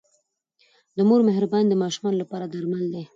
د مور مهرباني د ماشومانو لپاره درمل دی.